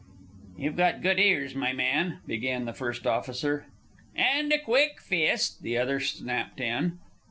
"You've got good ears, my man," began the first officer. "And a quick fist," the other snapped in.